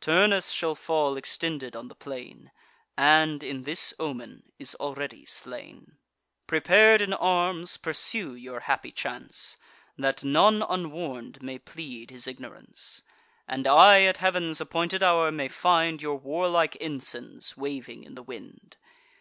Turnus shall fall extended on the plain, And, in this omen, is already slain. Prepar'd in arms, pursue your happy chance; That none unwarn'd may plead his ignorance, And I, at Heav'n's appointed hour, may find Your warlike ensigns waving in the wind.